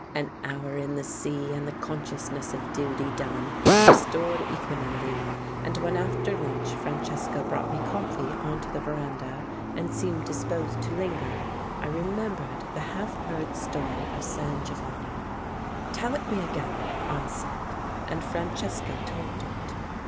An hour in the sea and the consciousness of duty done restored equanimity, and when after lunch Fran cesco brought me coffee on to the veranda and seemed disposed to linger, I remembered the half heard story of San Giovanni. "Tell it me again," I said, and Francesco told it.